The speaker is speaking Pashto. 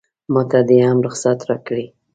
ماته دې هم رخصت راکړي.